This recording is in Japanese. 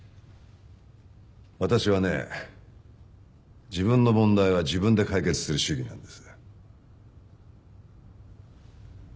私はね自分の問題は自分で解決する主義なんです。